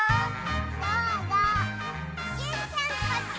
どうぞジュンちゃんこっち！